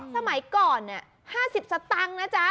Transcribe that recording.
สมัยก่อนเนี่ย๕๐ซะตังค์นะจ๊ะ